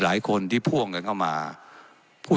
และยังเป็นประธานกรรมการอีก